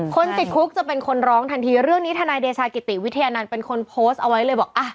คนติดคุกจะเป็นคนร้องทันทีเรื่องนี้ทนายเดชากิติวิทยานันต์เป็นคนโพสต์เอาไว้เลยบอกอ่ะ